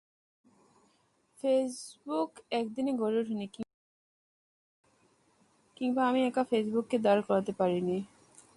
Facebook একদিনে গড়ে ওঠেনি কিংবা আমি একা ফেসবুককে দাঁড় করাতে পারিনি।